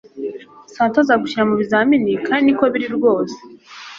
Santa azagushyira mubizamini kandi niko biri rwose